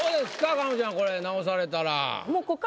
佳菜ちゃんこれ直されたら。